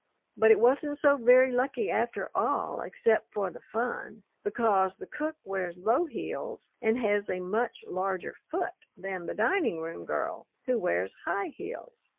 But it wasn't so very lucky after all except for the fun, because the cook wears low heels and has a much larger foot than the dining room girl, who wears high heels.